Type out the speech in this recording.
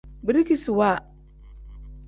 Birikisiwa.